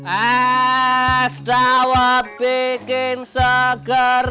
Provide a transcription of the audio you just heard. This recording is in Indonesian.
es dawa bikin seger